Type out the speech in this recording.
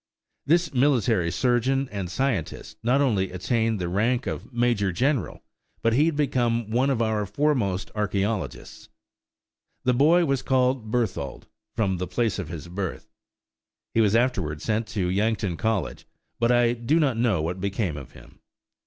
This military surgeon and scientist not only attained the rank of major general, but he became one of our foremost archæologists. The boy was called Berthold, from the place of his birth. He was afterward sent to Yankton College, but I do not know what became of him.